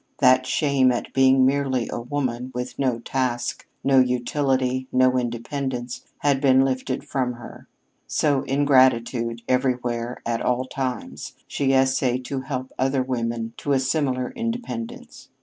That shame at being merely a woman, with no task, no utility, no independence, had been lifted from her. So, in gratitude, everywhere, at all times, she essayed to help other women to a similar independence.